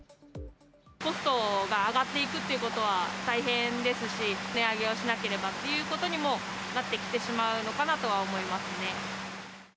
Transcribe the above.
コストが上がっていくということは大変ですし、値上げをしなければっていうことにもなってきてしまうのかなとは思いますね。